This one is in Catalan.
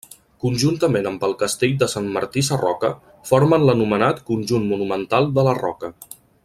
Conjuntament amb el castell de Sant Martí Sarroca formen l'anomenat Conjunt monumental de la Roca.